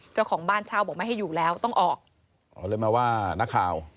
เจ้าของบ้านเช่าบอกไม่ให้อยู่แล้วต้องออกอ๋อเลยมาว่านักข่าว